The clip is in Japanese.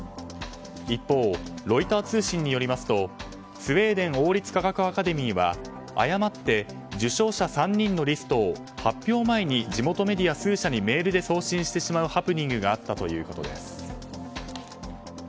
一方、ロイター通信によりますとスウェーデン王立科学アカデミーは誤って受賞者３人のリストを発表前に地元メディア数社にメールで送信してしまうハプニングがあったということです。